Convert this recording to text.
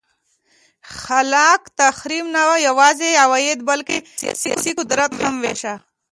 خلاق تخریب نه یوازې عواید بلکه سیاسي قدرت هم وېشه.